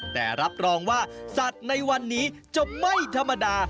แต่รับรองว่าสัตว์ในวันนี้จะไม่ธรรมดา